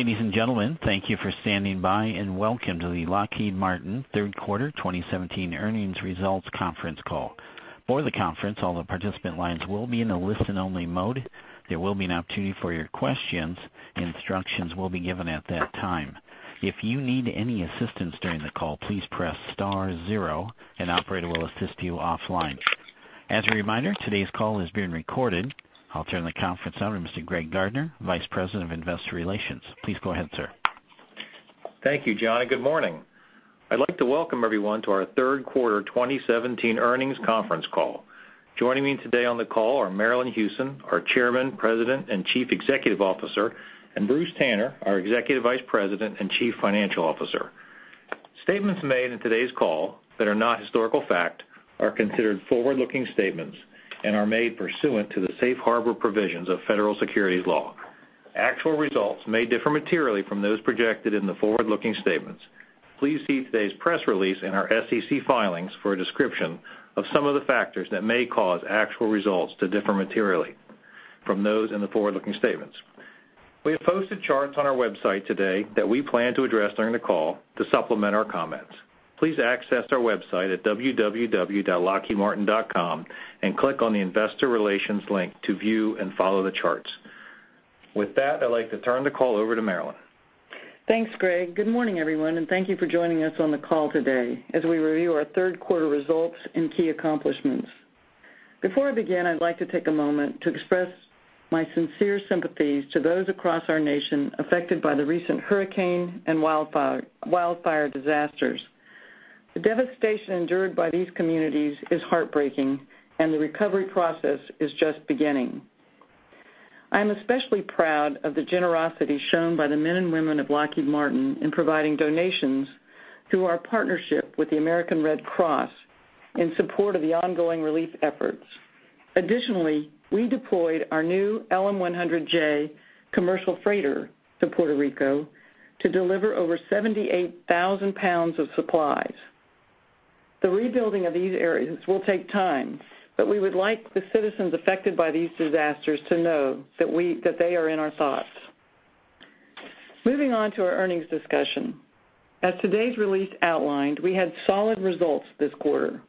Ladies and gentlemen, thank you for standing by, and welcome to the Lockheed Martin Third Quarter 2017 Earnings Results Conference Call. For the conference, all the participant lines will be in a listen-only mode. There will be an opportunity for your questions. Instructions will be given at that time. If you need any assistance during the call, please press star zero. An operator will assist you offline. As a reminder, today's call is being recorded. I'll turn the conference over to Mr. Greg Gardner, Vice President of Investor Relations. Please go ahead, sir. Thank you, John, and good morning. I'd like to welcome everyone to our third quarter 2017 earnings conference call. Joining me today on the call are Marillyn Hewson, our Chairman, President, and Chief Executive Officer, and Bruce Tanner, our Executive Vice President and Chief Financial Officer. Statements made in today's call that are not historical fact are considered forward-looking statements and are made pursuant to the safe harbor provisions of federal securities law. Actual results may differ materially from those projected in the forward-looking statements. Please see today's press release in our SEC filings for a description of some of the factors that may cause actual results to differ materially from those in the forward-looking statements. We have posted charts on our website today that we plan to address during the call to supplement our comments. Please access our website at www.lockheedmartin.com and click on the Investor Relations link to view and follow the charts. With that, I'd like to turn the call over to Marillyn. Thanks, Greg. Good morning, everyone, and thank you for joining us on the call today as we review our third quarter results and key accomplishments. Before I begin, I'd like to take a moment to express my sincere sympathies to those across our nation affected by the recent hurricane and wildfire disasters. The devastation endured by these communities is heartbreaking, and the recovery process is just beginning. I am especially proud of the generosity shown by the men and women of Lockheed Martin in providing donations through our partnership with the American Red Cross in support of the ongoing relief efforts. Additionally, we deployed our new LM-100J commercial freighter to Puerto Rico to deliver over 78,000 pounds of supplies. We would like the citizens affected by these disasters to know that they are in our thoughts. Moving on to our earnings discussion. As today's release outlined, we had solid results this quarter,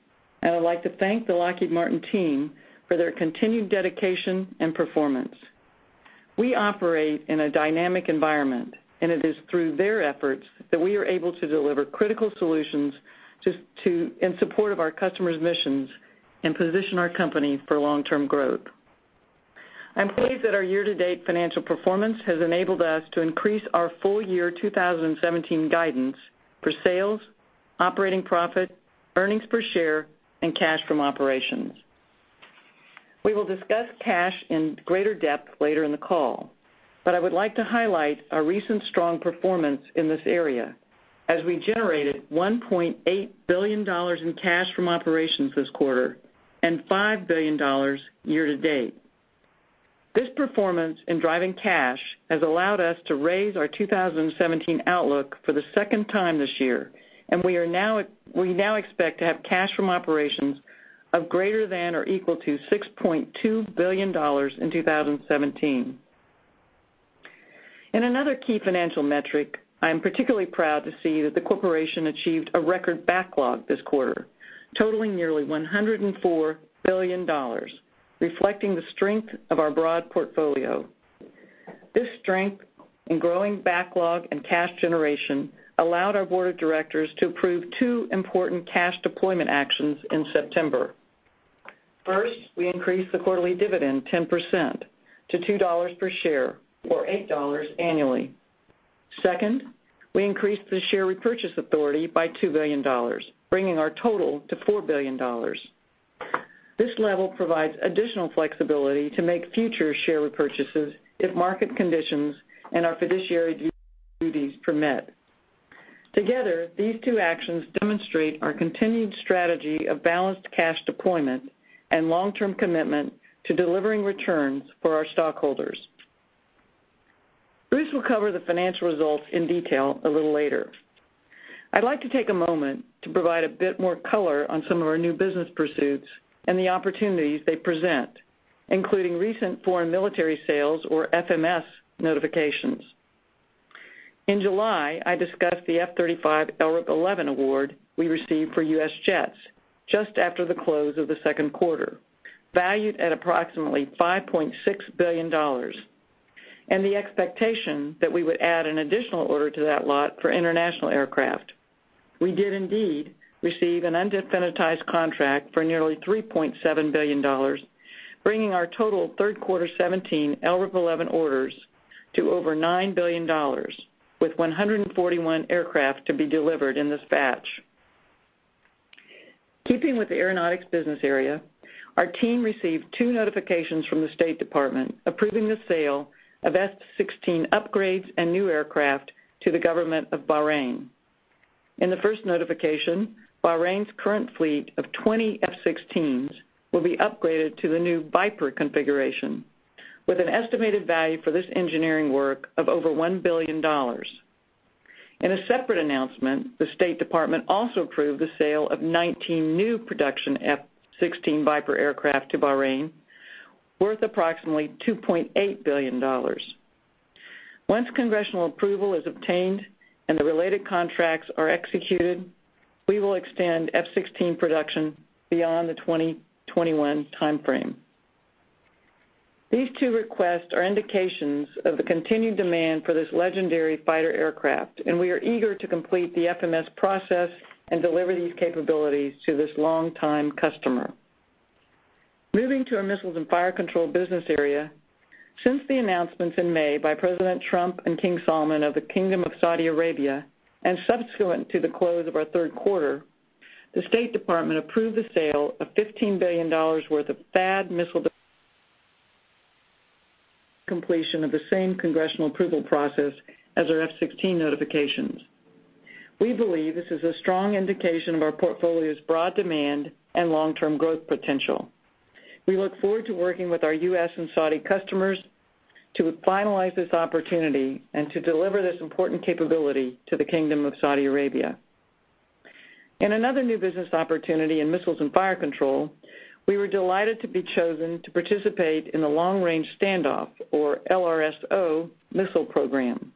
and I'd like to thank the Lockheed Martin team for their continued dedication and performance. We operate in a dynamic environment, and it is through their efforts that we are able to deliver critical solutions in support of our customers' missions and position our company for long-term growth. I'm pleased that our year-to-date financial performance has enabled us to increase our full year 2017 guidance for sales, operating profit, earnings per share, and cash from operations. We will discuss cash in greater depth later in the call, but I would like to highlight our recent strong performance in this area as we generated $1.8 billion in cash from operations this quarter and $5 billion year to date. This performance in driving cash has allowed us to raise our 2017 outlook for the second time this year, and we now expect to have cash from operations of greater than or equal to $6.2 billion in 2017. In another key financial metric, I am particularly proud to see that the corporation achieved a record backlog this quarter, totaling nearly $104 billion, reflecting the strength of our broad portfolio. This strength in growing backlog and cash generation allowed our board of directors to approve two important cash deployment actions in September. First, we increased the quarterly dividend 10% to $2 per share, or $8 annually. Second, we increased the share repurchase authority by $2 billion, bringing our total to $4 billion. This level provides additional flexibility to make future share repurchases if market conditions and our fiduciary duties permit. Together, these two actions demonstrate our continued strategy of balanced cash deployment and long-term commitment to delivering returns for our stockholders. Bruce will cover the financial results in detail a little later. I'd like to take a moment to provide a bit more color on some of our new business pursuits and the opportunities they present, including recent foreign military sales or FMS notifications. In July, I discussed the F-35 LRIP 11 award we received for U.S. jets just after the close of the second quarter, valued at approximately $5.6 billion, and the expectation that we would add an additional order to that lot for international aircraft. We did indeed receive an indefinitized contract for nearly $3.7 billion, bringing our total third quarter '17 LRIP 11 orders to over $9 billion, with 141 aircraft to be delivered in this batch. Keeping with the Aeronautics business area, our team received two notifications from the State Department approving the sale of F-16 upgrades and new aircraft to the government of Bahrain. In the first notification, Bahrain's current fleet of 20 F-16s will be upgraded to the new Viper configuration with an estimated value for this engineering work of over $1 billion. In a separate announcement, the State Department also approved the sale of 19 new production F-16 Viper aircraft to Bahrain, worth approximately $2.8 billion. Once congressional approval is obtained and the related contracts are executed, we will extend F-16 production beyond the 2021 timeframe. These two requests are indications of the continued demand for this legendary fighter aircraft, and we are eager to complete the FMS process and deliver these capabilities to this longtime customer. Moving to our Missiles and Fire Control business area. Since the announcements in May by President Trump and King Salman of the Kingdom of Saudi Arabia, and subsequent to the close of our third quarter, the U.S. Department of State approved the sale of $15 billion worth of THAAD missile [inaudible] completion of the same congressional approval process as our F-16 notifications. We believe this is a strong indication of our portfolio's broad demand and long-term growth potential. We look forward to working with our U.S. and Saudi customers to finalize this opportunity and to deliver this important capability to the Kingdom of Saudi Arabia. In another new business opportunity in Missiles and Fire Control, we were delighted to be chosen to participate in the Long Range Stand Off, or LRSO missile program.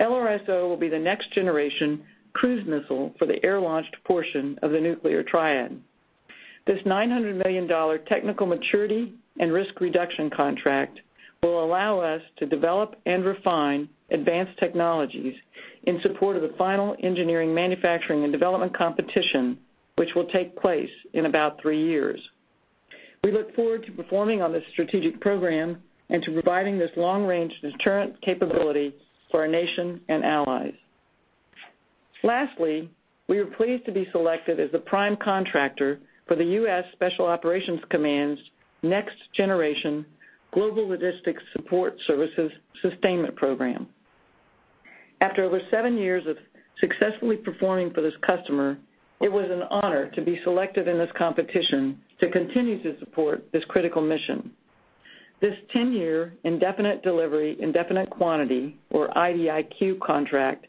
LRSO will be the next generation cruise missile for the air-launched portion of the nuclear triad. This $900 million technical maturity and risk reduction contract will allow us to develop and refine advanced technologies in support of the final engineering, manufacturing, and development competition, which will take place in about three years. We look forward to performing on this strategic program and to providing this long-range deterrent capability for our nation and allies. Lastly, we are pleased to be selected as the prime contractor for the U.S. Special Operations Command's next generation Global Logistics Support Services sustainment program. After over seven years of successfully performing for this customer, it was an honor to be selected in this competition to continue to support this critical mission. This 10-year indefinite delivery, indefinite quantity, or IDIQ contract,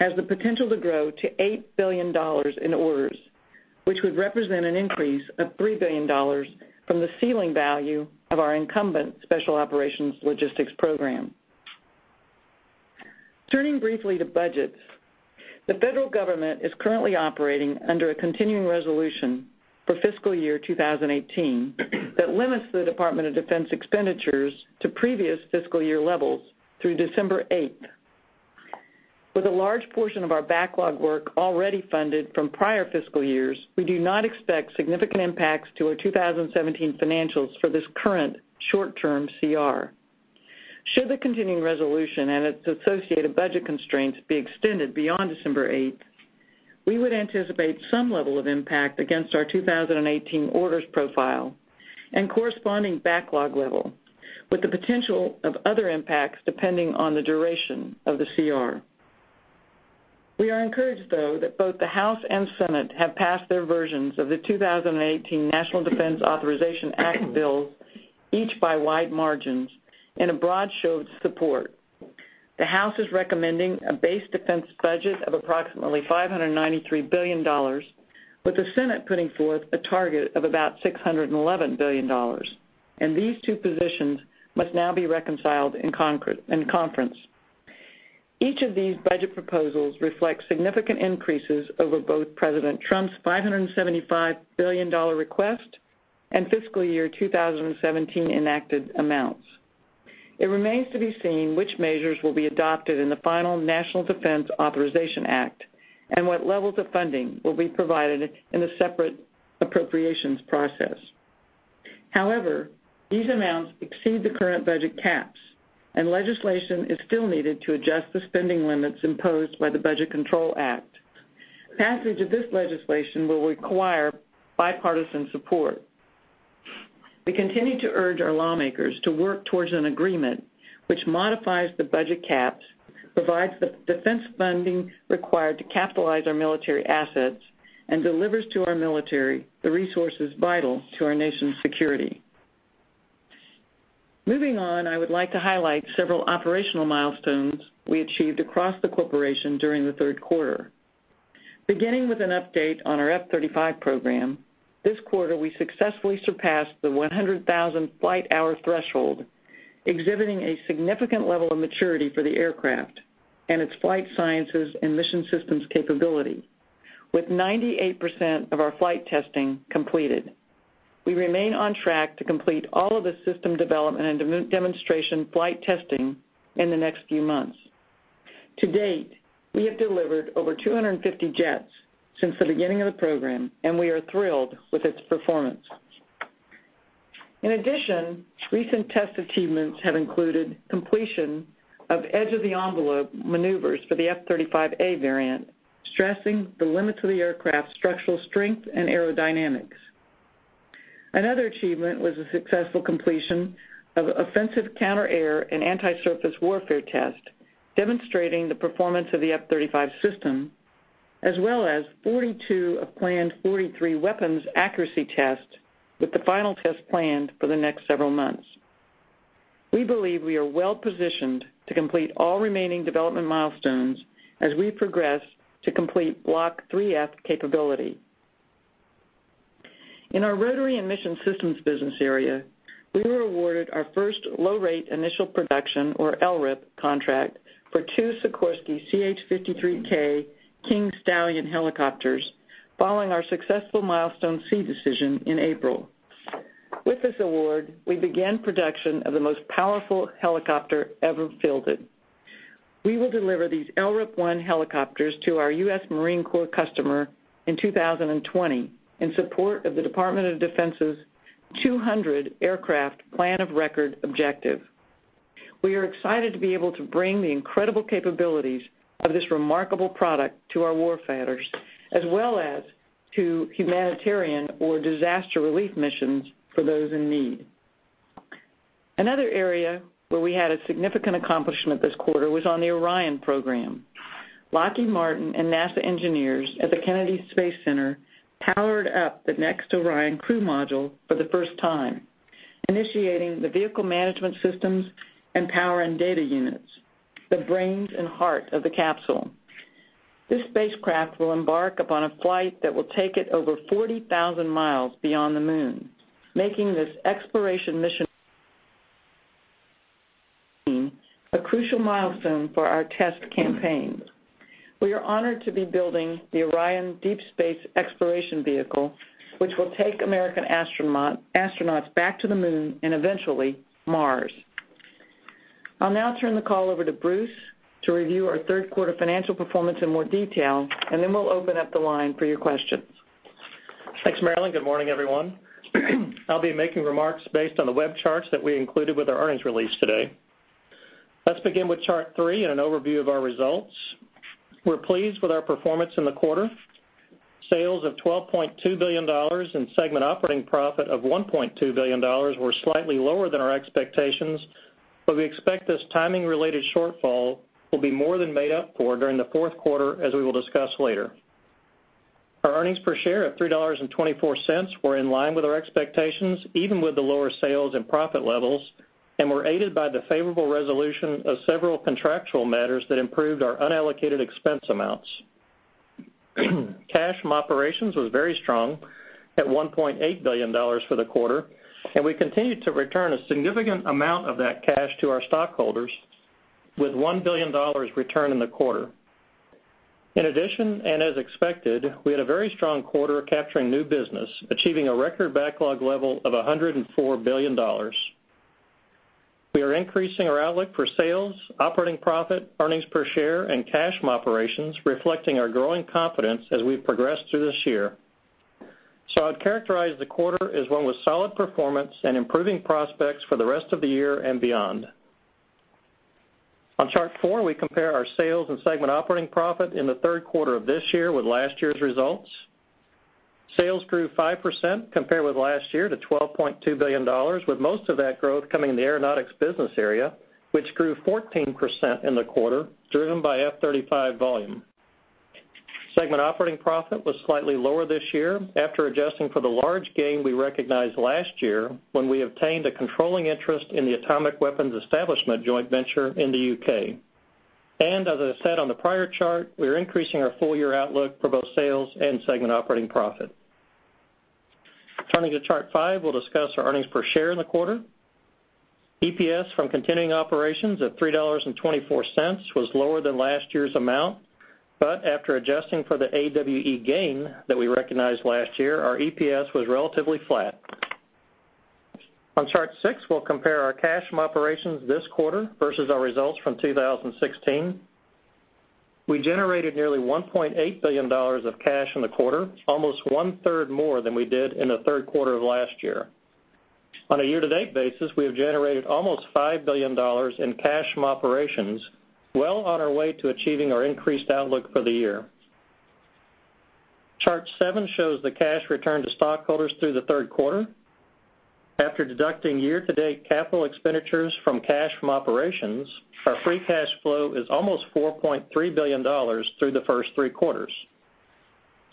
has the potential to grow to $8 billion in orders, which would represent an increase of $3 billion from the ceiling value of our incumbent special operations logistics program. Turning briefly to budgets. The federal government is currently operating under a continuing resolution for fiscal year 2018 that limits the Department of Defense expenditures to previous fiscal year levels through December 8th. With a large portion of our backlog work already funded from prior fiscal years, we do not expect significant impacts to our 2017 financials for this current short-term CR. Should the continuing resolution and its associated budget constraints be extended beyond December 8th, we would anticipate some level of impact against our 2018 orders profile and corresponding backlog level, with the potential of other impacts depending on the duration of the CR. We are encouraged, though, that both the House and Senate have passed their versions of the 2018 National Defense Authorization Act bills, each by wide margins, in a broad show of support. The House is recommending a base defense budget of approximately $593 billion, with the Senate putting forth a target of about $611 billion. These two positions must now be reconciled in conference. Each of these budget proposals reflects significant increases over both President Trump's $575 billion request and fiscal year 2017 enacted amounts. It remains to be seen which measures will be adopted in the final National Defense Authorization Act and what levels of funding will be provided in the separate appropriations process. However, these amounts exceed the current budget caps, and legislation is still needed to adjust the spending limits imposed by the Budget Control Act. Passage of this legislation will require bipartisan support. We continue to urge our lawmakers to work towards an agreement which modifies the budget caps, provides the defense funding required to capitalize our military assets, and delivers to our military the resources vital to our nation's security. Moving on, I would like to highlight several operational milestones we achieved across the corporation during the third quarter. Beginning with an update on our F-35 program, this quarter, we successfully surpassed the 100,000 flight hour threshold, exhibiting a significant level of maturity for the aircraft and its flight sciences and mission systems capability. With 98% of our flight testing completed, we remain on track to complete all of the system development and demonstration flight testing in the next few months. To date, we have delivered over 250 jets since the beginning of the program, and we are thrilled with its performance. In addition, recent test achievements have included completion of edge of the envelope maneuvers for the F-35A variant, stressing the limits of the aircraft's structural strength and aerodynamics. Another achievement was the successful completion of offensive counterair and anti-surface warfare test, demonstrating the performance of the F-35 system, as well as 42 of planned 43 weapons accuracy tests, with the final test planned for the next several months. We believe we are well-positioned to complete all remaining development milestones as we progress to complete Block 3F capability. In our Rotary and Mission Systems business area, we were awarded our first Low-Rate Initial Production, or LRIP, contract for two Sikorsky CH-53K King Stallion helicopters following our successful Milestone C decision in April. With this award, we began production of the most powerful helicopter ever fielded. We will deliver these LRIP 1 helicopters to our U.S. Marine Corps customer in 2020 in support of the Department of Defense's 200 aircraft plan of record objective. We are excited to be able to bring the incredible capabilities of this remarkable product to our warfighters, as well as to humanitarian or disaster relief missions for those in need. Another area where we had a significant accomplishment this quarter was on the Orion program. Lockheed Martin and NASA engineers at the Kennedy Space Center powered up the next Orion crew module for the first time, initiating the vehicle management systems and power and data units, the brains and heart of the capsule. This spacecraft will embark upon a flight that will take it over 40,000 miles beyond the moon, making this exploration mission a crucial milestone for our test campaign. We are honored to be building the Orion deep space exploration vehicle, which will take American astronauts back to the Moon and eventually Mars. I'll now turn the call over to Bruce to review our third quarter financial performance in more detail, and then we'll open up the line for your questions. Thanks, Marillyn. Good morning, everyone. I'll be making remarks based on the web charts that we included with our earnings release today. Let's begin with Chart 3 and an overview of our results. We're pleased with our performance in the quarter. Sales of $12.2 billion and segment operating profit of $1.2 billion were slightly lower than our expectations, but we expect this timing-related shortfall will be more than made up for during the fourth quarter, as we will discuss later. Our earnings per share of $3.24 were in line with our expectations, even with the lower sales and profit levels, and were aided by the favorable resolution of several contractual matters that improved our unallocated expense amounts. Cash from operations was very strong at $1.8 billion for the quarter, and we continued to return a significant amount of that cash to our stockholders with $1 billion returned in the quarter. As expected, we had a very strong quarter capturing new business, achieving a record backlog level of $104 billion. We are increasing our outlook for sales, operating profit, earnings per share and cash from operations, reflecting our growing confidence as we progress through this year. I'd characterize the quarter as one with solid performance and improving prospects for the rest of the year and beyond. On Chart 4, we compare our sales and segment operating profit in the third quarter of this year with last year's results. Sales grew 5% compared with last year to $12.2 billion, with most of that growth coming in the Aeronautics business area, which grew 14% in the quarter, driven by F-35 volume. Segment operating profit was slightly lower this year after adjusting for the large gain we recognized last year when we obtained a controlling interest in the Atomic Weapons Establishment joint venture in the U.K. As I said on the prior chart, we are increasing our full-year outlook for both sales and segment operating profit. Turning to Chart 5, we'll discuss our earnings per share in the quarter. EPS from continuing operations of $3.24 was lower than last year's amount. After adjusting for the AWE gain that we recognized last year, our EPS was relatively flat. On Chart 6, we'll compare our cash from operations this quarter versus our results from 2016. We generated nearly $1.8 billion of cash in the quarter, almost one-third more than we did in the third quarter of last year. On a year-to-date basis, we have generated almost $5 billion in cash from operations, well on our way to achieving our increased outlook for the year. Chart 7 shows the cash returned to stockholders through the third quarter. After deducting year-to-date capital expenditures from cash from operations, our free cash flow is almost $4.3 billion through the first three quarters.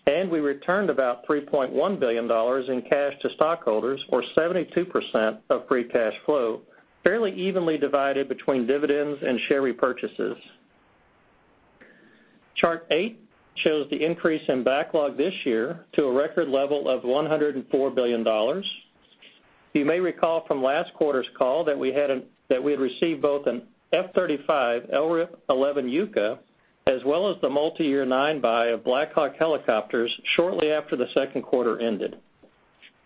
We returned about $3.1 billion in cash to stockholders or 72% of free cash flow, fairly evenly divided between dividends and share repurchases. Chart 8 shows the increase in backlog this year to a record level of $104 billion. You may recall from last quarter's call that we had received both an F-35 LRIP 11 UCA, as well as the multi-year nine buy of Black Hawk helicopters shortly after the second quarter ended.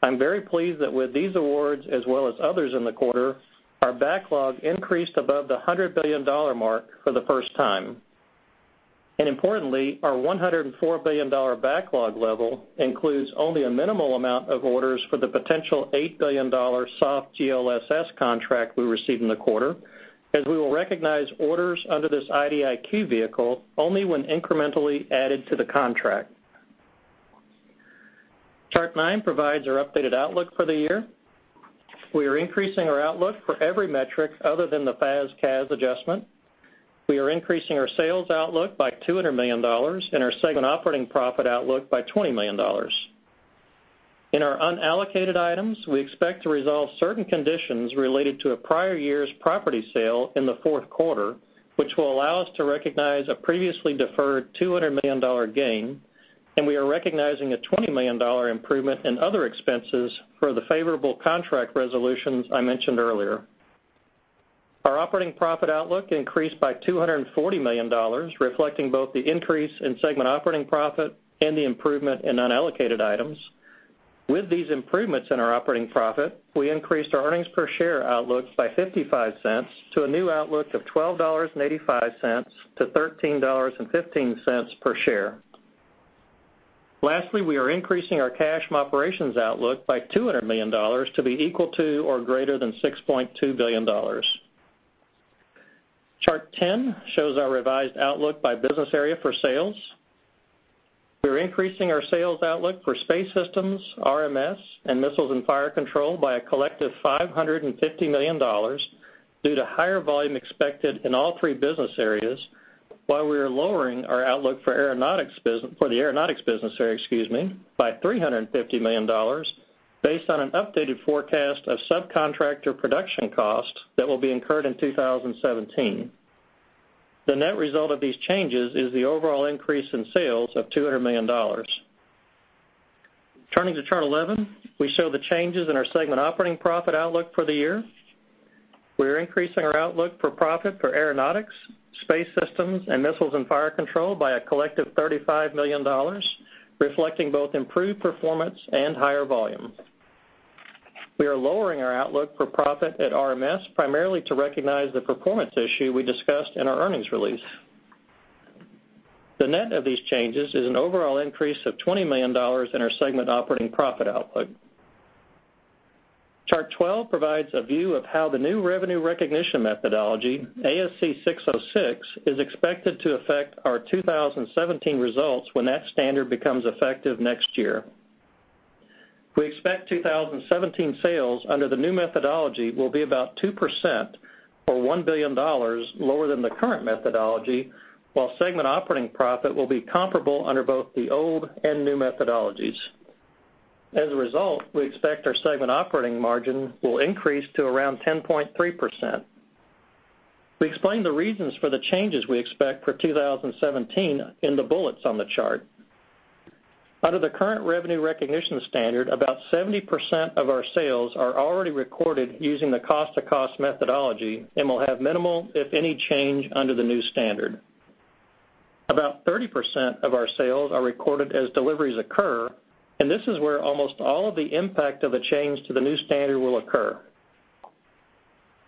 I'm very pleased that with these awards, as well as others in the quarter, our backlog increased above the $100 billion mark for the first time. Importantly, our $104 billion backlog level includes only a minimal amount of orders for the potential $8 billion SOF GLSS contract we received in the quarter, as we will recognize orders under this IDIQ vehicle only when incrementally added to the contract. Chart 9 provides our updated outlook for the year. We are increasing our outlook for every metric other than the FAS/CAS adjustment. We are increasing our sales outlook by $200 million and our segment operating profit outlook by $20 million. In our unallocated items, we expect to resolve certain conditions related to a prior year's property sale in the fourth quarter, which will allow us to recognize a previously deferred $200 million gain. We are recognizing a $20 million improvement in other expenses for the favorable contract resolutions I mentioned earlier. Our operating profit outlook increased by $240 million, reflecting both the increase in segment operating profit and the improvement in unallocated items. With these improvements in our operating profit, we increased our earnings per share outlook by $0.55 to a new outlook of $12.85 to $13.15 per share. Lastly, we are increasing our cash from operations outlook by $200 million to be equal to or greater than $6.2 billion. Chart 10 shows our revised outlook by business area for sales. We're increasing our sales outlook for Space, RMS, and Missiles and Fire Control by a collective $550 million due to higher volume expected in all three business areas, while we are lowering our outlook for the Aeronautics business by $350 million based on an updated forecast of subcontractor production costs that will be incurred in 2017. The net result of these changes is the overall increase in sales of $200 million. Turning to Chart 11, we show the changes in our segment operating profit outlook for the year. We are increasing our outlook for profit for Aeronautics, Space, and Missiles and Fire Control by a collective $35 million, reflecting both improved performance and higher volume. We are lowering our outlook for profit at RMS, primarily to recognize the performance issue we discussed in our earnings release. The net of these changes is an overall increase of $20 million in our segment operating profit outlook. Chart 12 provides a view of how the new revenue recognition methodology, ASC 606, is expected to affect our 2017 results when that standard becomes effective next year. We expect 2017 sales under the new methodology will be about 2%, or $1 billion, lower than the current methodology, while segment operating profit will be comparable under both the old and new methodologies. As a result, we expect our segment operating margin will increase to around 10.3%. We explain the reasons for the changes we expect for 2017 in the bullets on the chart. Under the current revenue recognition standard, about 70% of our sales are already recorded using the cost-to-cost methodology and will have minimal, if any, change under the new standard. About 30% of our sales are recorded as deliveries occur, and this is where almost all of the impact of the change to the new standard will occur.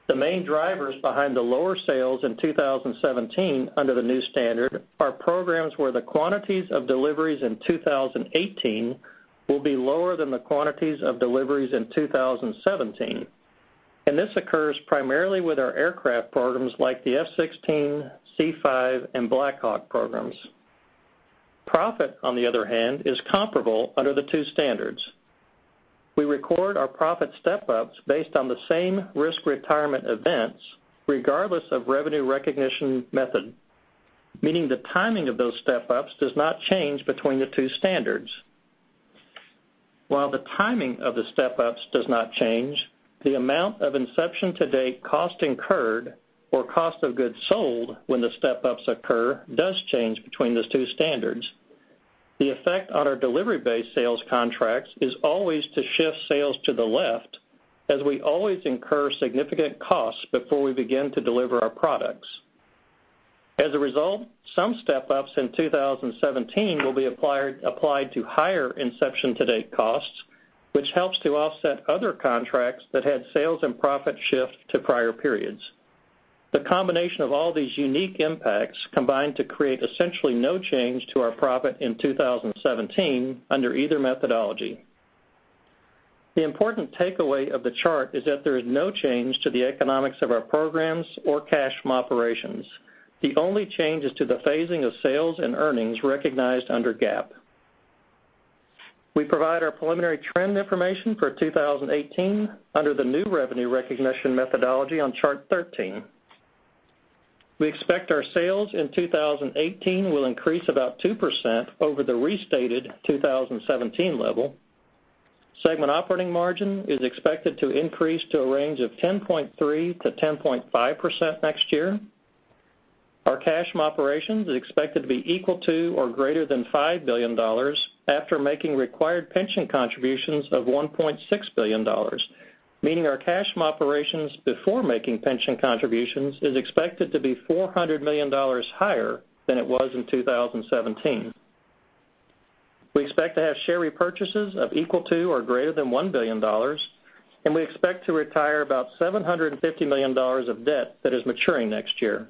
The main drivers behind the lower sales in 2017 under the new standard are programs where the quantities of deliveries in 2018 will be lower than the quantities of deliveries in 2017, and this occurs primarily with our aircraft programs like the F-16, C-5, and Black Hawk programs. Profit, on the other hand, is comparable under the two standards. We record our profit step-ups based on the same risk retirement events regardless of revenue recognition method, meaning the timing of those step-ups does not change between the two standards. While the timing of the step-ups does not change, the amount of inception-to-date cost incurred or cost of goods sold when the step-ups occur does change between those two standards. The effect on our delivery-based sales contracts is always to shift sales to the left, as we always incur significant costs before we begin to deliver our products. As a result, some step-ups in 2017 will be applied to higher inception-to-date costs, which helps to offset other contracts that had sales and profit shift to prior periods. The combination of all these unique impacts combine to create essentially no change to our profit in 2017 under either methodology. The important takeaway of the chart is that there is no change to the economics of our programs or cash from operations. The only change is to the phasing of sales and earnings recognized under GAAP. We provide our preliminary trend information for 2018 under the new revenue recognition methodology on Chart 13. We expect our sales in 2018 will increase about 2% over the restated 2017 level. Segment operating margin is expected to increase to a range of 10.3%-10.5% next year. Our cash from operations is expected to be equal to or greater than $5 billion after making required pension contributions of $1.6 billion, meaning our cash from operations before making pension contributions is expected to be $400 million higher than it was in 2017. We expect to have share repurchases of equal to or greater than $1 billion, and we expect to retire about $750 million of debt that is maturing next year.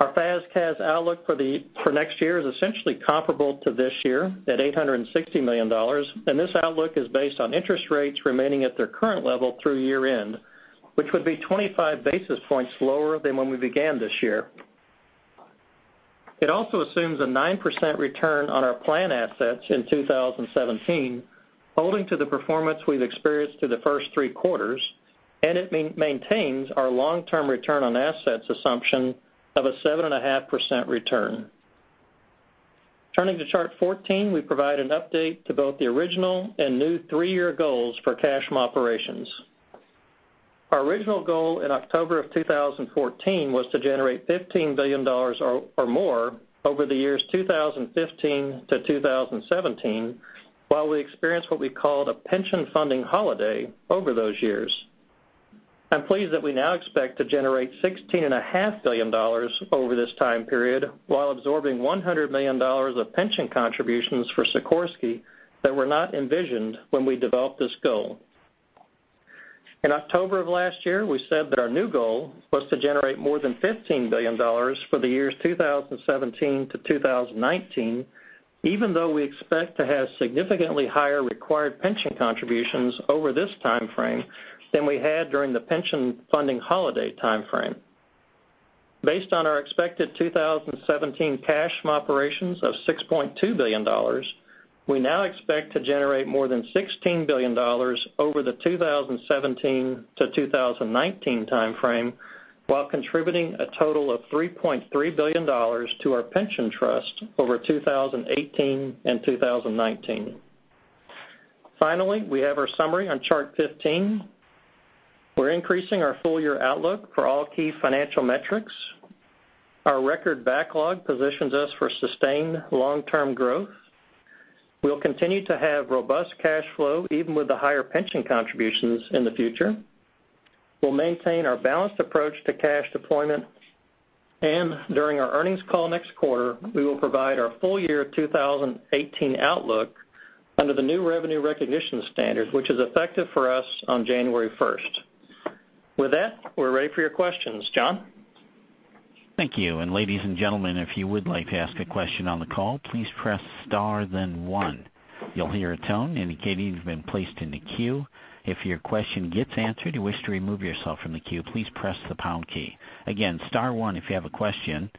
Our FAS/CAS outlook for next year is essentially comparable to this year at $860 million, and this outlook is based on interest rates remaining at their current level through year-end, which would be 25 basis points lower than when we began this year. It also assumes a 9% return on our plan assets in 2017, holding to the performance we've experienced through the first three quarters. It maintains our long-term return on assets assumption of a 7.5% return. Turning to Chart 14, we provide an update to both the original and new three-year goals for cash from operations. Our original goal in October of 2014 was to generate $15 billion or more over the years 2015 to 2017, while we experienced what we called a pension funding holiday over those years. I'm pleased that we now expect to generate $16.5 billion over this time period while absorbing $100 million of pension contributions for Sikorsky that were not envisioned when we developed this goal. In October of last year, we said that our new goal was to generate more than $15 billion for the years 2017 to 2019, even though we expect to have significantly higher required pension contributions over this timeframe than we had during the pension funding holiday timeframe. Based on our expected 2017 cash from operations of $6.2 billion, we now expect to generate more than $16 billion over the 2017 to 2019 timeframe while contributing a total of $3.3 billion to our pension trust over 2018 and 2019. Finally, we have our summary on Chart 15. We're increasing our full-year outlook for all key financial metrics. Our record backlog positions us for sustained long-term growth. We'll continue to have robust cash flow even with the higher pension contributions in the future. We'll maintain our balanced approach to cash deployment. During our earnings call next quarter, we will provide our full-year 2018 outlook under the new revenue recognition standard, which is effective for us on January 1st. With that, we're ready for your questions. John? Thank you. Ladies and gentlemen, if you would like to ask a question on the call, please press star then one. You'll hear a tone indicating you've been placed in the queue. If your question gets answered, you wish to remove yourself from the queue, please press the pound key. Again, star one if you have a question.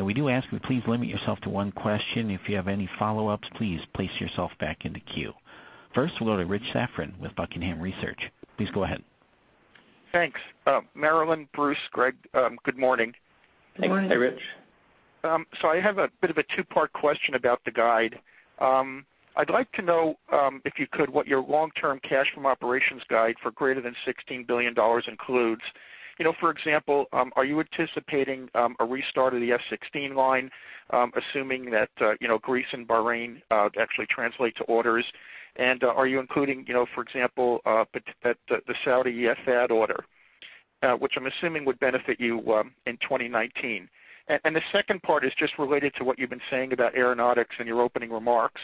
We do ask you please limit yourself to one question. If you have any follow-ups, please place yourself back in the queue. First, we'll go to Rich Safran with Buckingham Research. Please go ahead. Thanks. Marillyn, Bruce, Greg, good morning. Good morning. Hey, Rich. I have a bit of a two-part question about the guide. I'd like to know, if you could, what your long-term cash from operations guide for greater than $16 billion includes. For example, are you anticipating a restart of the F-16 line, assuming that Greece and Bahrain actually translate to orders? Are you including, for example, the Saudi THAAD order, which I'm assuming would benefit you in 2019? The second part is just related to what you've been saying about Aeronautics in your opening remarks.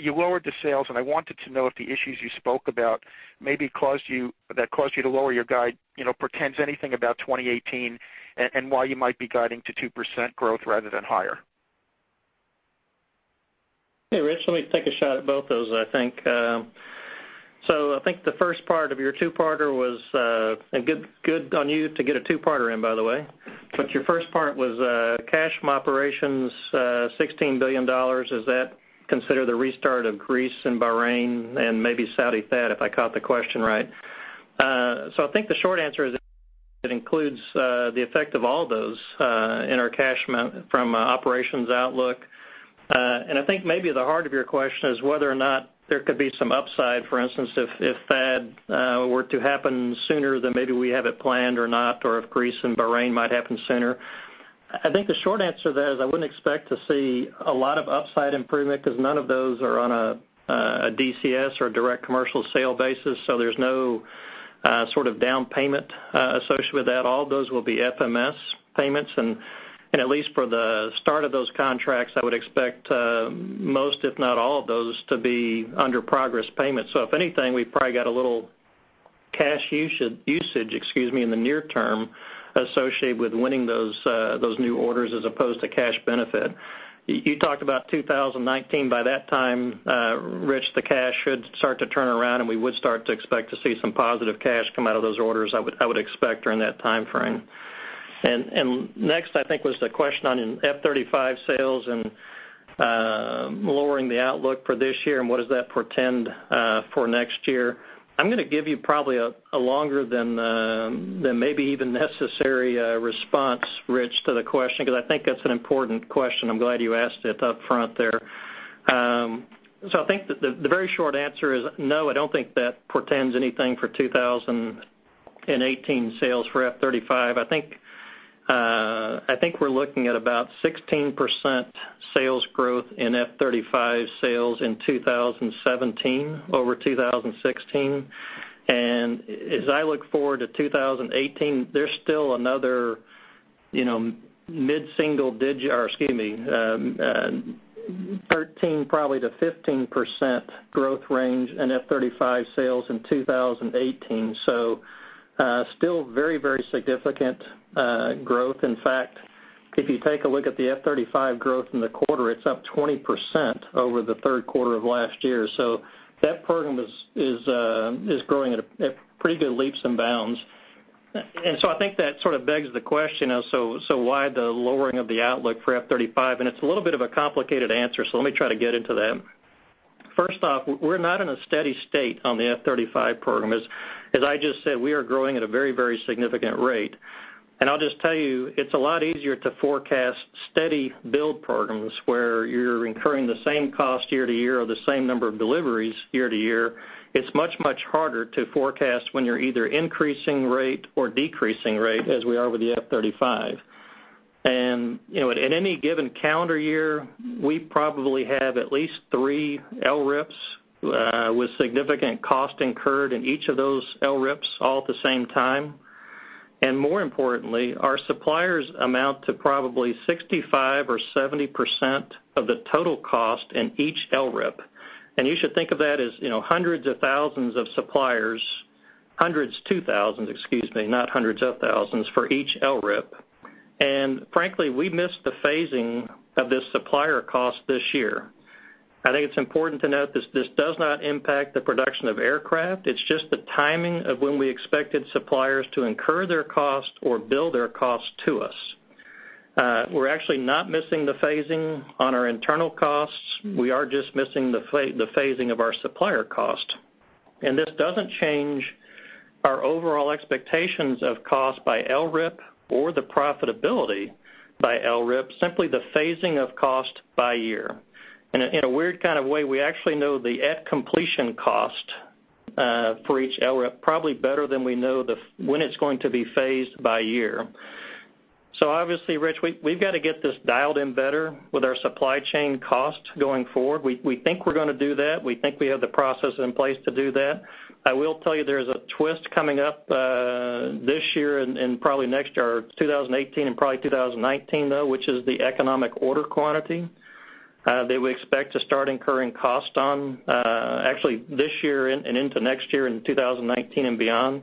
You lowered the sales, and I wanted to know if the issues you spoke about that caused you to lower your guide portends anything about 2018, and why you might be guiding to 2% growth rather than higher. Hey, Rich, let me take a shot at both those, I think. I think the first part of your two-parter was, and good on you to get a two-parter in, by the way. Your first part was, cash from operations, $16 billion. Does that consider the restart of Greece and Bahrain and maybe Saudi THAAD, if I caught the question right? I think the short answer is it includes the effect of all those in our cash from operations outlook. I think maybe the heart of your question is whether or not there could be some upside, for instance, if THAAD were to happen sooner than maybe we have it planned or not, or if Greece and Bahrain might happen sooner. I think the short answer there is I wouldn't expect to see a lot of upside improvement because none of those are on a DCS or direct commercial sale basis, there's no sort of down payment associated with that. All of those will be FMS payments, and at least for the start of those contracts, I would expect most, if not all of those to be under progress payments. If anything, we've probably got a little cash usage, excuse me, in the near term associated with winning those new orders as opposed to cash benefit. You talked about 2019. By that time, Rich, the cash should start to turn around, and we would start to expect to see some positive cash come out of those orders, I would expect during that timeframe. Next, I think, was the question on F-35 sales and lowering the outlook for this year, and what does that portend for next year? I'm going to give you probably a longer than maybe even necessary response, Rich, to the question, because I think that's an important question. I'm glad you asked it up front there. I think that the very short answer is no, I don't think that portends anything for 2018 sales for F-35. I think we're looking at about 16% sales growth in F-35 sales in 2017 over 2016. As I look forward to 2018, there's still another mid-single digit, or excuse me, 13%-15% growth range in F-35 sales in 2018. Still very, very significant growth. In fact, if you take a look at the F-35 growth in the quarter, it's up 20% over the third quarter of last year. That program is growing at pretty good leaps and bounds. I think that sort of begs the question of, why the lowering of the outlook for F-35? It's a little bit of a complicated answer, let me try to get into that. First off, we're not in a steady state on the F-35 program. As I just said, we are growing at a very significant rate. I'll just tell you, it's a lot easier to forecast steady build programs where you're incurring the same cost year to year or the same number of deliveries year to year. It's much harder to forecast when you're either increasing rate or decreasing rate as we are with the F-35. At any given calendar year, we probably have at least three LRIPS with significant cost incurred in each of those LRIPS all at the same time. More importantly, our suppliers amount to probably 65%-70% of the total cost in each LRIP. You should think of that as hundreds of thousands of suppliers, hundreds to thousands, excuse me, not hundreds of thousands for each LRIP. Frankly, we missed the phasing of this supplier cost this year. I think it's important to note this does not impact the production of aircraft. It's just the timing of when we expected suppliers to incur their cost or bill their cost to us. We're actually not missing the phasing on our internal costs. We are just missing the phasing of our supplier cost. This doesn't change our overall expectations of cost by LRIP or the profitability by LRIP, simply the phasing of cost by year. In a weird kind of way, we actually know the at-completion cost for each LRIP probably better than we know when it's going to be phased by year. Obviously, Rich, we've got to get this dialed in better with our supply chain cost going forward. We think we're going to do that. We think we have the process in place to do that. I will tell you there's a twist coming up this year and probably next year, 2018 and probably 2019, though, which is the Economic Order Quantity that we expect to start incurring cost on actually this year and into next year in 2019 and beyond,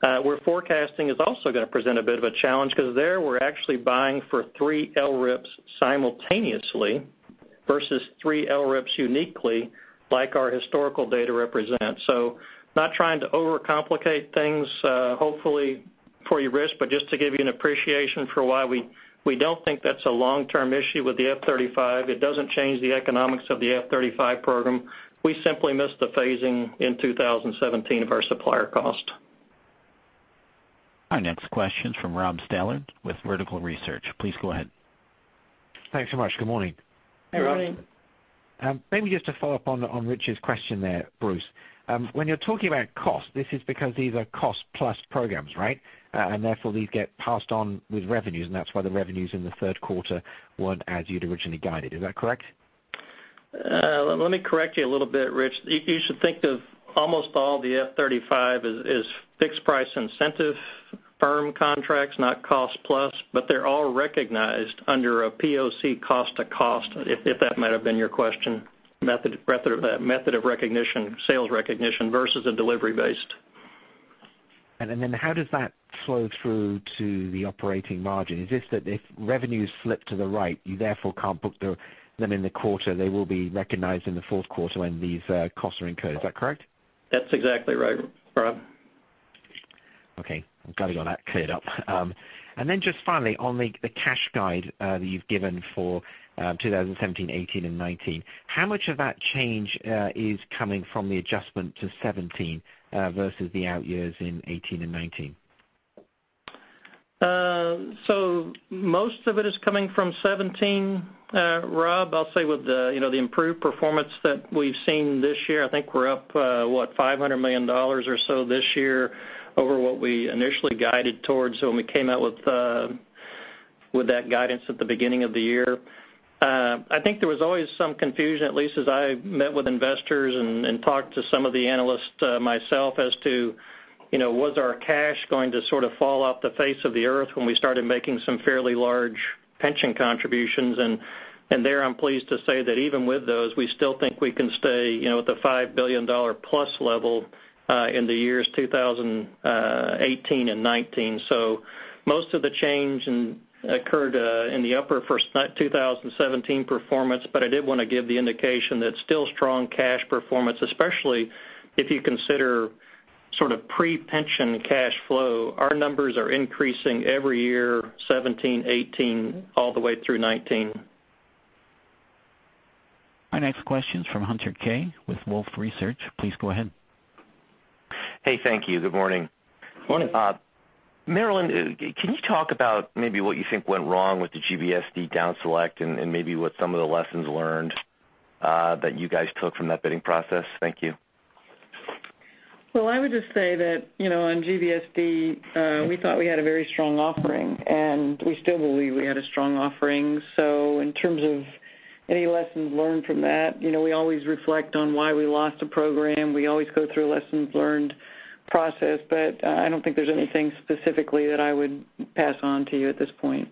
where forecasting is also going to present a bit of a challenge because there we're actually buying for three LRIPs simultaneously versus three LRIPs uniquely like our historical data represents. Not trying to overcomplicate things, hopefully for you, Rich, but just to give you an appreciation for why we don't think that's a long-term issue with the F-35. It doesn't change the economics of the F-35 program. We simply missed the phasing in 2017 of our supplier cost. Our next question is from Rob Stallard with Vertical Research. Please go ahead. Thanks so much. Good morning. Hey, Rob. Good morning. Maybe just to follow up on Rich's question there, Bruce. When you're talking about cost, this is because these are cost-plus programs, right? Therefore, these get passed on with revenues, and that's why the revenues in the third quarter weren't as you'd originally guided. Is that correct? Let me correct you a little bit, Rich. You should think of almost all the F-35 as fixed-price incentive firm contracts, not cost-plus, but they're all recognized under a POC cost to cost, if that might have been your question, method of recognition, sales recognition versus a delivery-based. How does that flow through to the operating margin? Is this that if revenues slip to the right, you therefore can't book them in the quarter, they will be recognized in the fourth quarter when these costs are incurred. Is that correct? That's exactly right, Rob. Okay. I'm glad we got that cleared up. Just finally, on the cash guide that you've given for 2017, 2018, and 2019, how much of that change is coming from the adjustment to 2017 versus the out years in 2018 and 2019? Most of it is coming from 2017, Rob. I'll say with the improved performance that we've seen this year, I think we're up what $500 million or so this year over what we initially guided towards when we came out with that guidance at the beginning of the year. I think there was always some confusion, at least as I met with investors and talked to some of the analysts myself as to was our cash going to sort of fall off the face of the earth when we started making some fairly large pension contributions. Even with those, I'm pleased to say that we still think we can stay at the $5 billion-plus level in the years 2018 and 2019. Most of the change occurred in the upper first 2017 performance. I did want to give the indication that still strong cash performance, especially if you consider sort of pre-pension cash flow. Our numbers are increasing every year, 2017, 2018, all the way through 2019. Our next question is from Hunter Keay with Wolfe Research. Please go ahead. Hey, thank you. Good morning. Morning. Marillyn, can you talk about maybe what you think went wrong with the GBSD down select and maybe what some of the lessons learned that you guys took from that bidding process? Thank you. I would just say that on GBSD, we thought we had a very strong offering, and we still believe we had a strong offering. In terms of any lessons learned from that, we always reflect on why we lost a program. We always go through a lessons learned process, but I don't think there's anything specifically that I would pass on to you at this point.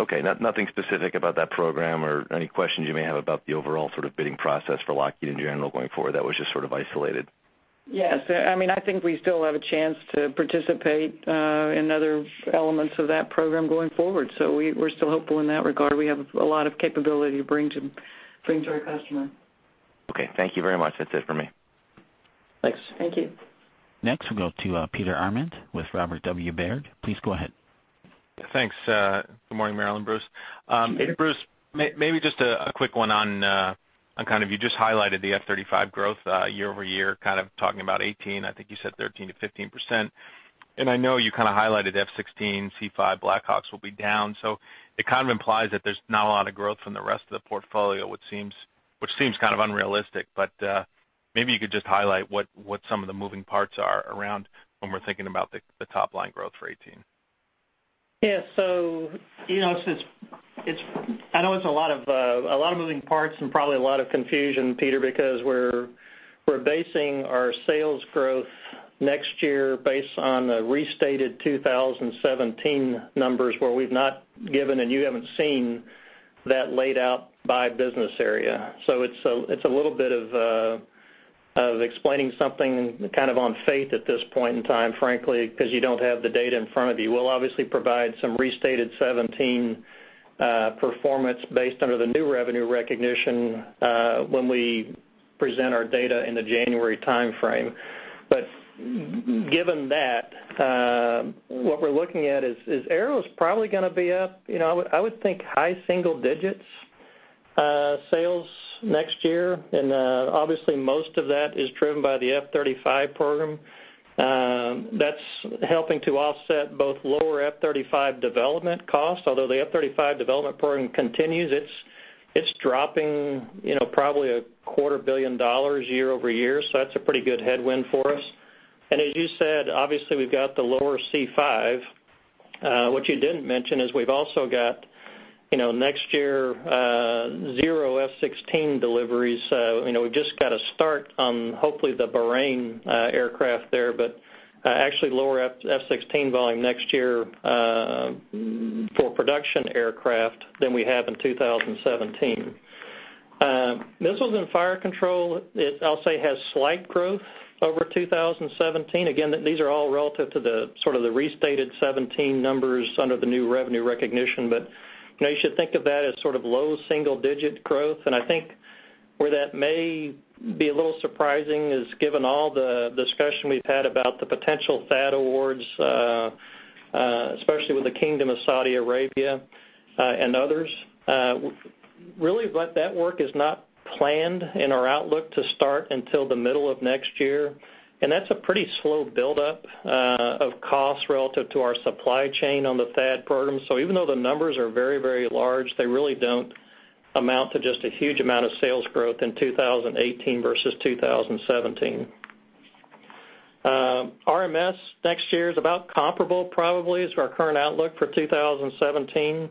Okay. Nothing specific about that program or any questions you may have about the overall sort of bidding process for Lockheed in general going forward. That was just sort of isolated. Yes. I think we still have a chance to participate in other elements of that program going forward. We're still hopeful in that regard. We have a lot of capability to bring to our customer. Okay. Thank you very much. That's it for me. Thanks. Thank you. We'll go to Peter Arment with Robert W. Baird. Please go ahead. Thanks. Good morning, Marillyn, Bruce. Good morning. Bruce, maybe just a quick one on you just highlighted the F-35 growth year-over-year, talking about 2018, I think you said 13%-15%. I know you highlighted F-16, C-5, Black Hawks will be down. It kind of implies that there's not a lot of growth from the rest of the portfolio, which seems kind of unrealistic, but maybe you could just highlight what some of the moving parts are around when we're thinking about the top-line growth for 2018. Yes. I know it's a lot of moving parts and probably a lot of confusion, Peter, because we're basing our sales growth next year based on the restated 2017 numbers where we've not given, and you haven't seen that laid out by business area. It's a little bit of explaining something kind of on faith at this point in time, frankly, because you don't have the data in front of you. We'll obviously provide some restated 2017 performance based under the new revenue recognition, when we present our data in the January timeframe. But given that, what we're looking at is, Aeronautics's probably going to be up. I would think high single digits, sales next year. Obviously most of that is driven by the F-35 program. That's helping to offset both lower F-35 development costs. Although the F-35 development program continues, it's dropping probably a quarter billion dollars year-over-year. That's a pretty good headwind for us. As you said, obviously we've got the lower C-5. What you didn't mention is we've also got next year, zero F-16 deliveries. We've just got a start on hopefully the Bahrain aircraft there, but actually lower F-16 volume next year, for production aircraft than we have in 2017. Missiles and Fire Control, I'll say has slight growth over 2017. Again, these are all relative to the sort of the restated 2017 numbers under the new revenue recognition. But you should think of that as sort of low single digit growth. I think where that may be a little surprising is given all the discussion we've had about the potential THAAD awards, especially with the Kingdom of Saudi Arabia, and others. Really what that work is not planned in our outlook to start until the middle of next year. That's a pretty slow buildup of costs relative to our supply chain on the THAAD program. Even though the numbers are very large, they really don't amount to just a huge amount of sales growth in 2018 versus 2017. Rotary and Mission Systems next year is about comparable probably as our current outlook for 2017,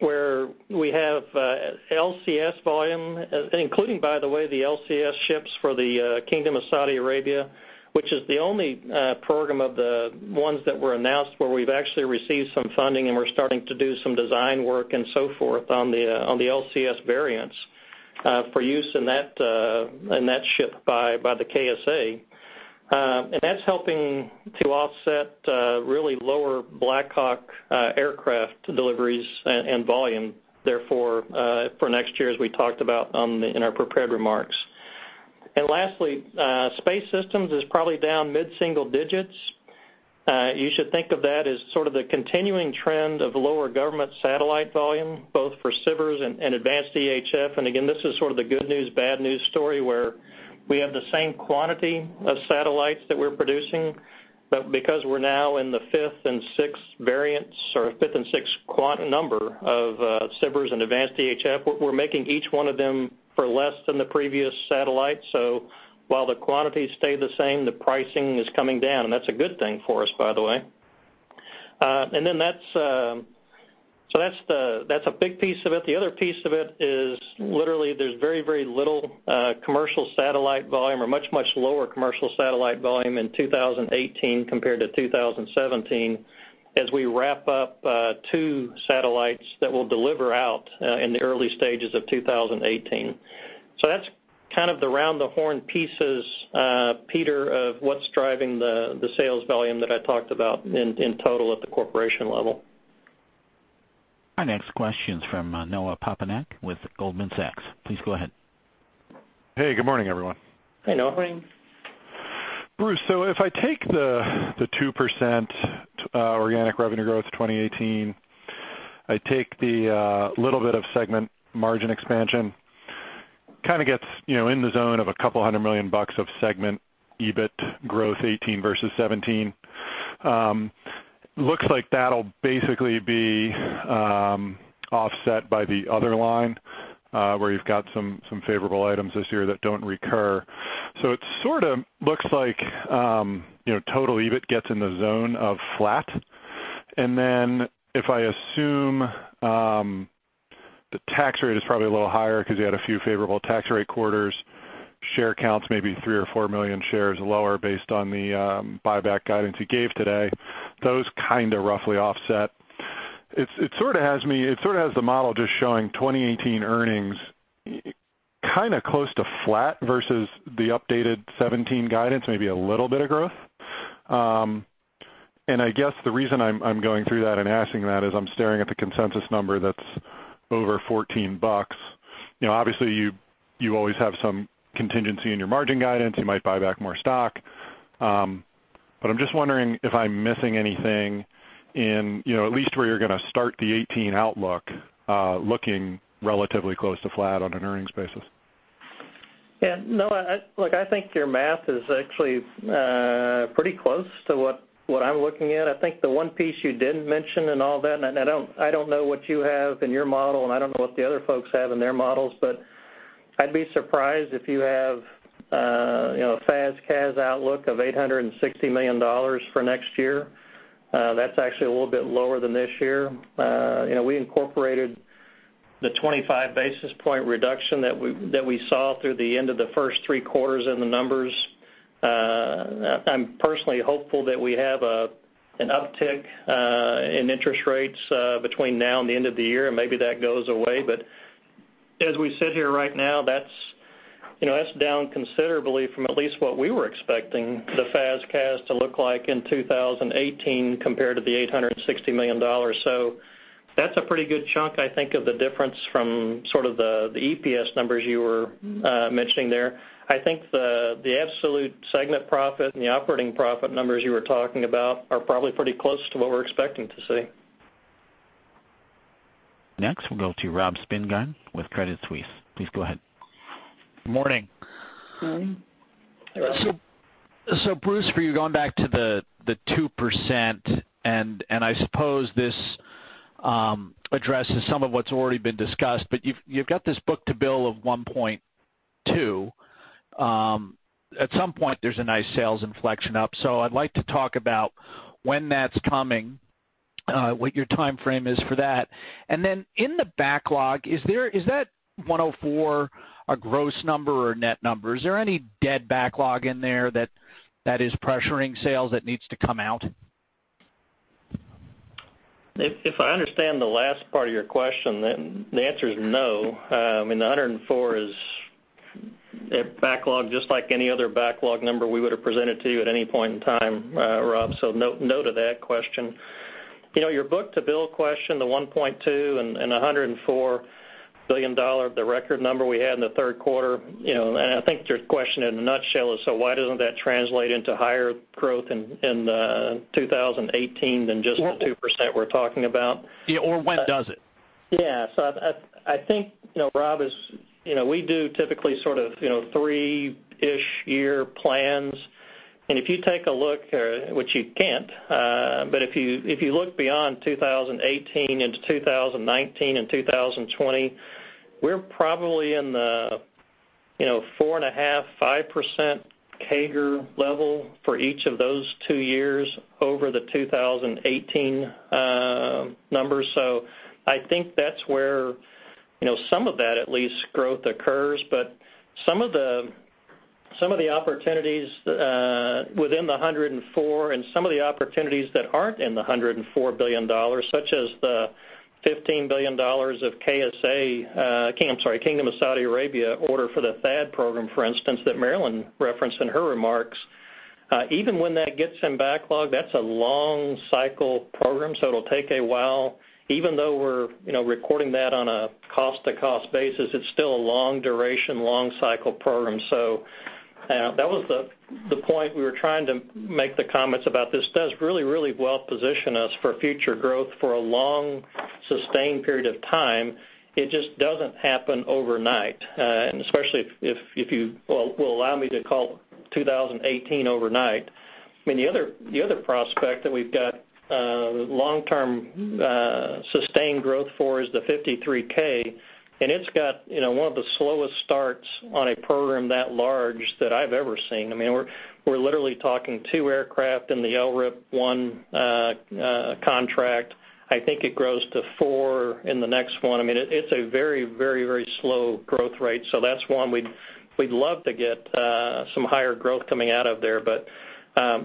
where we have Littoral Combat Ship volume, including by the way, the Littoral Combat Ship ships for the Kingdom of Saudi Arabia, which is the only program of the ones that were announced where we've actually received some funding and we're starting to do some design work and so forth on the Littoral Combat Ship variants, for use in that ship by the KSA. That's helping to offset really lower Black Hawk aircraft deliveries and volume, therefore, for next year, as we talked about in our prepared remarks. Lastly, Space Systems is probably down mid-single digits. You should think of that as sort of the continuing trend of lower government satellite volume, both for SBIRS and Advanced EHF. Again, this is sort of the good news, bad news story where we have the same quantity of satellites that we're producing, but because we're now in the fifth and sixth variants, or fifth and sixth number of SBIRS and Advanced EHF, we're making each one of them for less than the previous satellite. While the quantity stay the same, the pricing is coming down. That's a good thing for us, by the way. That's a big piece of it. The other piece of it is literally there's very little commercial satellite volume or much lower commercial satellite volume in 2018 compared to 2017, as we wrap up two satellites that we'll deliver out in the early stages of 2018. That's kind of the round the horn pieces, Peter, of what's driving the sales volume that I talked about in total at the corporation level. Our next question's from Noah Poponak with Goldman Sachs. Please go ahead. Hey, good morning, everyone. Hey, Noah. Bruce, if I take the 2% organic revenue growth to 2018, I take the little bit of segment margin expansion, kind of gets in the zone of $200 million of segment EBIT growth 2018 versus 2017. Looks like that'll basically be offset by the other line, where you've got some favorable items this year that don't recur. It sort of looks like total EBIT gets in the zone of flat. If I assume, the tax rate is probably a little higher because you had a few favorable tax rate quarters, share counts maybe three or four million shares lower based on the buyback guidance you gave today. Those kind of roughly offset. It sort of has the model just showing 2018 earnings kind of close to flat versus the updated 2017 guidance, maybe a little bit of growth. I guess the reason I'm going through that and asking that is I'm staring at the consensus number that's over $14. Obviously, you always have some contingency in your margin guidance. You might buy back more stock. I'm just wondering if I'm missing anything in at least where you're going to start the 2018 outlook, looking relatively close to flat on an earnings basis. Yeah. No, look, I think your math is actually pretty close to what I'm looking at. I think the one piece you didn't mention in all that, I don't know what you have in your model, I don't know what the other folks have in their models, I'd be surprised if you have a FAS/CAS outlook of $860 million for next year. That's actually a little bit lower than this year. We incorporated the 25 basis point reduction that we saw through the end of the first three quarters in the numbers. I'm personally hopeful that we have an uptick in interest rates between now and the end of the year, maybe that goes away. As we sit here right now, that's down considerably from at least what we were expecting the FAS/CAS to look like in 2018 compared to the $860 million. That's a pretty good chunk, I think, of the difference from sort of the EPS numbers you were mentioning there. I think the absolute segment profit and the operating profit numbers you were talking about are probably pretty close to what we're expecting to see. Next, we'll go to Robert Spingarn with Credit Suisse. Please go ahead. Morning. Morning. Bruce, for you, going back to the 2%, and I suppose this addresses some of what's already been discussed, you've got this book-to-bill of 1.2. At some point, there's a nice sales inflection up. I'd like to talk about when that's coming, what your timeframe is for that. And then in the backlog, is that $104 billion a gross number or a net number? Is there any dead backlog in there that is pressuring sales that needs to come out? If I understand the last part of your question, the answer is no. The $104 billion is a backlog just like any other backlog number we would have presented to you at any point in time, Rob. No to that question. Your book-to-bill question, the 1.2 and the $104 billion, the record number we had in the third quarter. I think your question in a nutshell is, why doesn't that translate into higher growth in 2018 than just the 2% we're talking about? Yeah, or when does it? Yeah. I think, Rob, we do typically sort of three-ish year plans. If you take a look, which you can't, if you look beyond 2018 into 2019 and 2020, we are probably in the 4.5%-5% CAGR level for each of those two years over the 2018 numbers. I think that is where some of that, at least, growth occurs. Some of the opportunities within the $104 and some of the opportunities that are not in the $104 billion, such as the $15 billion of Kingdom of Saudi Arabia order for the THAAD program, for instance, that Marillyn Hewson referenced in her remarks. Even when that gets in backlog, that is a long cycle program, so it will take a while. Even though we are recording that on a cost-to-cost basis, it is still a long duration, long cycle program. That was the point we were trying to make the comments about. This does really well position us for future growth for a long, sustained period of time. It does not happen overnight, and especially if you will allow me to call 2018 overnight. The other prospect that we have got long-term sustained growth for is the CH-53K, and it has got one of the slowest starts on a program that large that I have ever seen. We are literally talking two aircraft in the LRIP 1 contract. I think it grows to four in the next one. It is a very slow growth rate. That is one we would love to get some higher growth coming out of there. That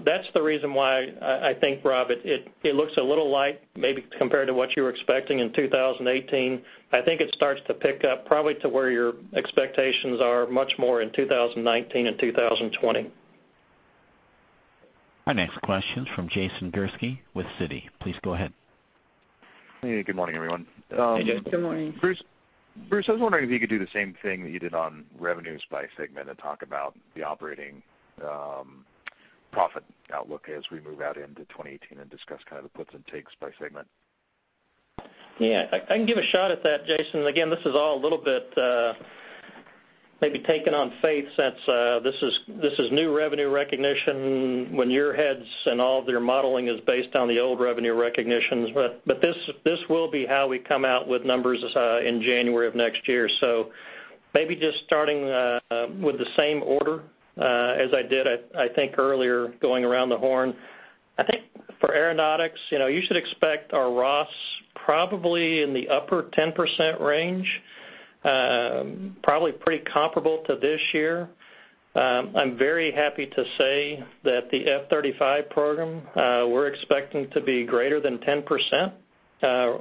is the reason why I think, Rob, it looks a little light maybe compared to what you were expecting in 2018. I think it starts to pick up probably to where your expectations are much more in 2019 and 2020. Our next question is from Jason Gursky with Citi. Please go ahead. Good morning, everyone. Hey, Jason. Good morning. Bruce, I was wondering if you could do the same thing that you did on revenues by segment and talk about the operating profit outlook as we move out into 2018 and discuss kind of the puts and takes by segment. I can give a shot at that, Jason. Again, this is all a little bit maybe taken on faith since this is new revenue recognition when your heads and all of your modeling is based on the old revenue recognitions. This will be how we come out with numbers in January of next year. Maybe just starting with the same order as I did, I think earlier going around the horn. I think for Aeronautics, you should expect our ROS probably in the upper 10% range, probably pretty comparable to this year. I'm very happy to say that the F-35 program, we're expecting to be greater than 10%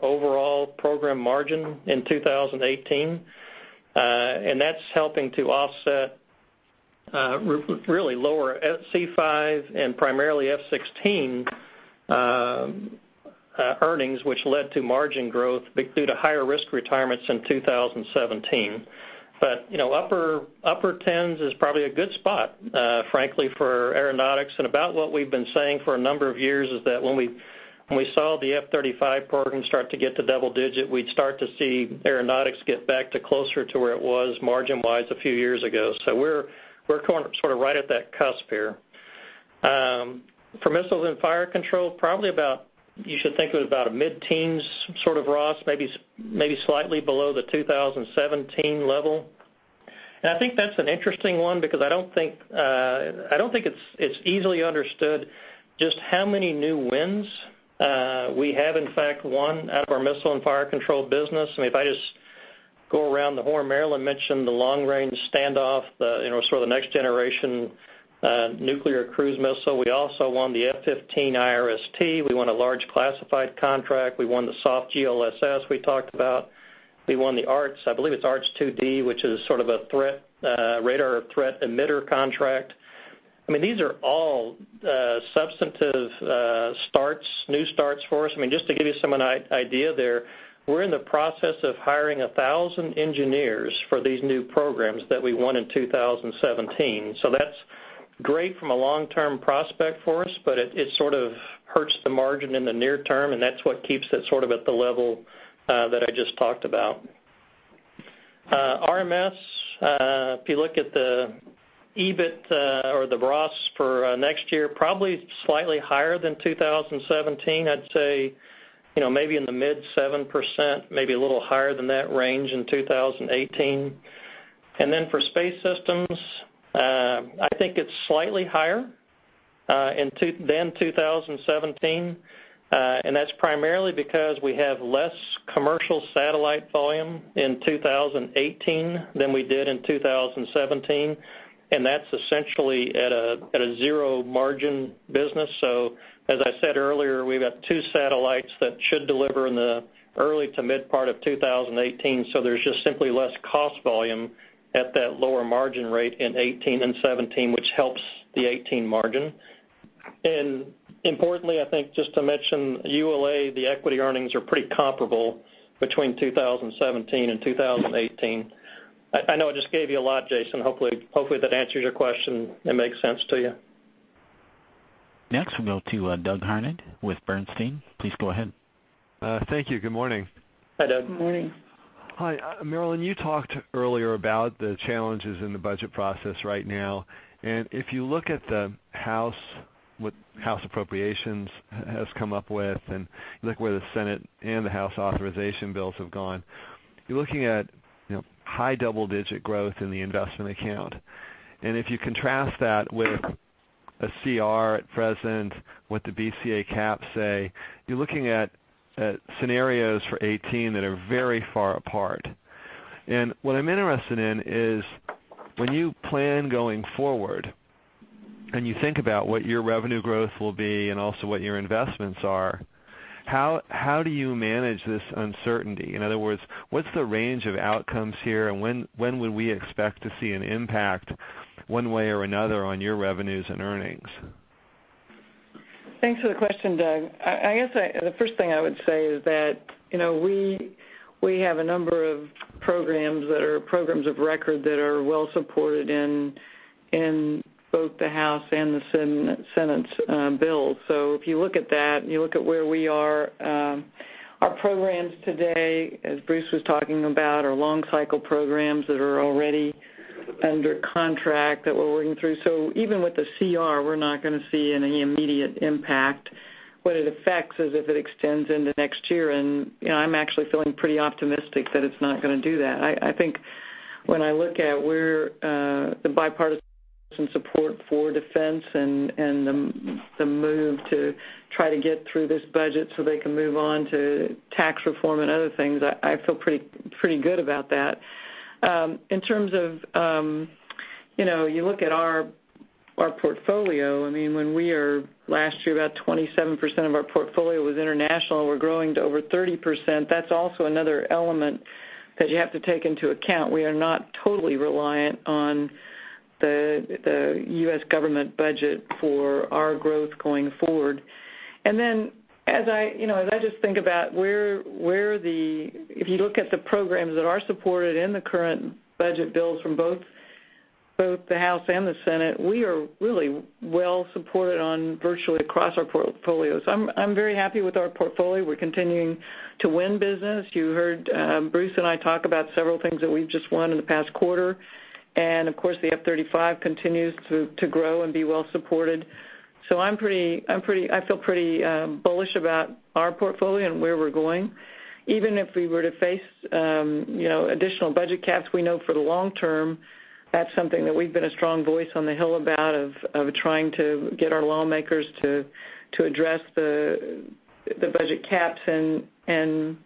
overall program margin in 2018. That's helping to offset Really lower C-5 and primarily F-16 earnings, which led to margin growth due to higher risk retirements in 2017. Upper tens is probably a good spot, frankly, for Aeronautics. About what we've been saying for a number of years is that when we saw the F-35 program start to get to double digit, we'd start to see Aeronautics get back to closer to where it was margin wise a few years ago. We're sort of right at that cusp here. For Missiles and Fire Control, probably you should think of about a mid-teens sort of ROS, maybe slightly below the 2017 level. I think that's an interesting one because I don't think it's easily understood just how many new wins we have, in fact, won out of our Missiles and Fire Control business. I just go around the horn, Marillyn mentioned the Long Range Stand Off, sort of the next generation nuclear cruise missile. We also won the F-15 IRST. We won a large classified contract. We won the SOF GLSS we talked about. We won the ARTS, I believe it's ARTS 2D, which is sort of a radar threat emitter contract. These are all substantive new starts for us. Just to give you some idea there, we're in the process of hiring 1,000 engineers for these new programs that we won in 2017. That's great from a long-term prospect for us, but it sort of hurts the margin in the near term, and that's what keeps it sort of at the level that I just talked about. RMS, if you look at the EBIT or the ROS for next year, probably slightly higher than 2017. I'd say maybe in the mid 7%, maybe a little higher than that range in 2018. Then for Space, I think it's slightly higher than 2017. That's primarily because we have less commercial satellite volume in 2018 than we did in 2017, and that's essentially at a zero margin business. As I said earlier, we've got two satellites that should deliver in the early to mid part of 2018, there's just simply less cost volume at that lower margin rate in 2018 and 2017, which helps the 2018 margin. Importantly, I think, just to mention ULA, the equity earnings are pretty comparable between 2017 and 2018. I know I just gave you a lot, Jason. Hopefully, that answers your question and makes sense to you. Next, we go to Douglas Harned with Bernstein. Please go ahead. Thank you. Good morning. Hi, Doug. Good morning. Hi, Marillyn. You talked earlier about the challenges in the budget process right now, if you look at what House Appropriations has come up with, and you look where the Senate and the House authorization bills have gone, you're looking at high double-digit growth in the investment account. If you contrast that with a CR at present, what the BCA caps say, you're looking at scenarios for 2018 that are very far apart. What I'm interested in is when you plan going forward and you think about what your revenue growth will be and also what your investments are, how do you manage this uncertainty? In other words, what's the range of outcomes here, and when would we expect to see an impact one way or another on your revenues and earnings? Thanks for the question, Doug. I guess the first thing I would say is that we have a number of programs that are programs of record that are well supported in both the House and the Senate's bill. If you look at that and you look at where we are, our programs today, as Bruce was talking about, are long cycle programs that are already under contract that we're working through. Even with the CR, we're not going to see any immediate impact. What it affects is if it extends into next year, and I'm actually feeling pretty optimistic that it's not going to do that. I think when I look at where the bipartisan support for defense and the move to try to get through this budget so they can move on to tax reform and other things, I feel pretty good about that. In terms of you look at our portfolio, last year about 27% of our portfolio was international, and we're growing to over 30%, that's also another element that you have to take into account. We are not totally reliant on the U.S. government budget for our growth going forward. As I just think about if you look at the programs that are supported in the current budget bills from both the House and the Senate, we are really well supported on virtually across our portfolios. I'm very happy with our portfolio. We're continuing to win business. You heard Bruce and I talk about several things that we've just won in the past quarter. Of course, the F-35 continues to grow and be well supported. I feel pretty bullish about our portfolio and where we're going, even if we were to face additional budget caps. We know for the long term, that's something that we've been a strong voice on the Hill about, of trying to get our lawmakers to address the budget caps, and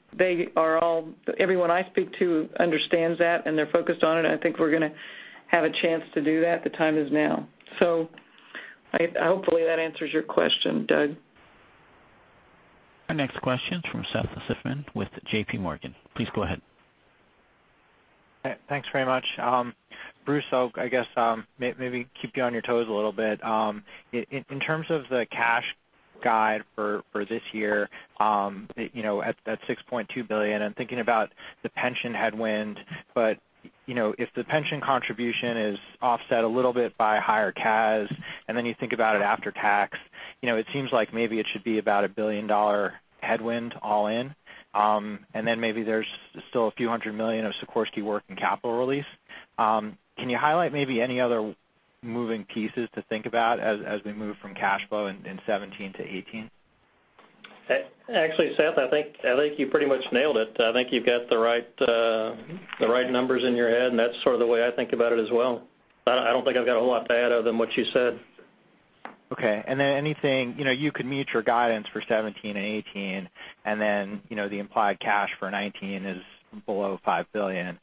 everyone I speak to understands that, and they're focused on it. I think we're going to have a chance to do that. The time is now. Hopefully that answers your question, Doug. Our next question from Seth Seifman with J.P. Morgan. Please go ahead. Thanks very much. Bruce, I guess, maybe keep you on your toes a little bit. In terms of the cash guide for this year, at $6.2 billion, I'm thinking about the pension headwind. If the pension contribution is offset a little bit by higher CAS, you think about it after tax, it seems like maybe it should be about a billion-dollar headwind all in. Maybe there's still a few hundred million of Sikorsky working capital release. Can you highlight maybe any other moving pieces to think about as we move from cash flow in 2017 to 2018? Actually, Seth, I think you pretty much nailed it. I think you've got the right numbers in your head, and that's sort of the way I think about it as well. I don't think I've got a whole lot to add other than what you said. Okay, anything, you could mute your guidance for 2017 and 2018, the implied cash for 2019 is below $5 billion.